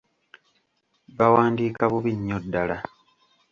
Bawandiika bubi nnyo ddala.